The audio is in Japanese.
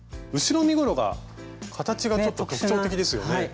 後ろ身ごろが形がちょっと特徴的ですよね。